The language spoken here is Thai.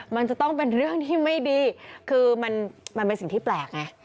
มันจะต้องเป็นเรื่องที่ไม่ดีคือมันเป็นสิ่งที่แปลกไง